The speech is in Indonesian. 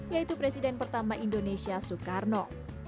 yaitu presiden pertama indonesia soekarno